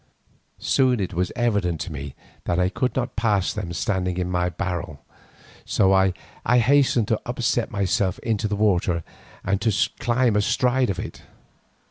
Soon it was evident to me that I could not pass them standing in my barrel, so I hastened to upset myself into the water and to climb astride of it.